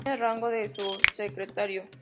Tiene rango de subsecretario.